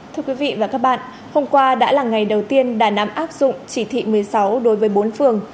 thưa quý vị và các bạn hôm qua đã là ngày đầu tiên đà nẵng áp dụng chỉ thị một mươi sáu đối với bốn phường